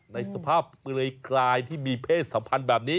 ในสภาพเปลือยกลายที่มีเพศสัมพันธ์แบบนี้